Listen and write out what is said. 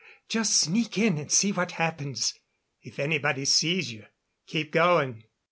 Just sneak in and see what happens. If anybody sees you, keep going."